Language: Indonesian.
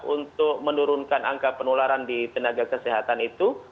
untuk menurunkan angka penularan di tenaga kesehatan itu